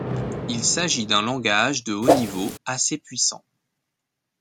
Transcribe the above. Il s'agit d'un langage de haut niveau assez puissant.